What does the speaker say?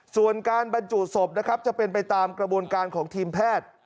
ส่วนการบรรจุศพนะครับจะเป็นไปตามกระบวนการของทีมแพทย์